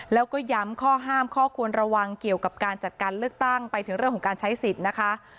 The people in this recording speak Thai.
แล้วก็ย้ำข้อห้ามข้อควรระวังเกี่ยวกับการจัดการเลือกตั้งไปถึงเรื่องของการใช้สิทธิ์นะคะ